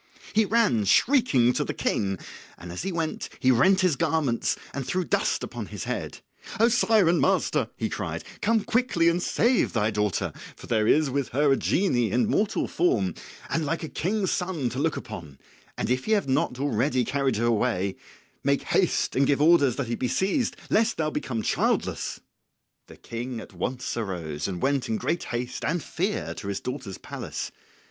He ran shrieking to the King, and as he went he rent his garments and threw dust upon his head. "O sire and master," he cried, "come quickly and save thy daughter, for there is with her a genie in mortal form and like a king's son to look upon, and if he have not already carried her away, make haste and give orders that he be seized, lest thou become childless." [Illustration: She cried: "O miserable man what sorry watch is this that thou hast kept".] The King at once arose and went in great haste and fear to his daughters palace.